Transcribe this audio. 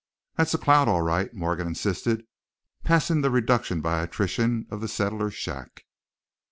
"That's a cloud, all right," Morgan insisted, passing the reduction by attrition of the settler's shack.